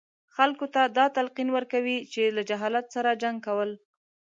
خلکو ته دا تلقین ورکوي چې له جهالت سره جنګ کول.